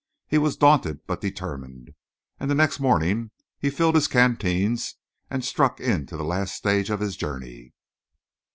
He was daunted but determined, and the next morning he filled his canteens and struck into the last stage of his journey.